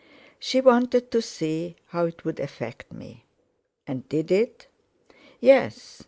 "She wanted to see how it would affect me." "And did it?" "Yes.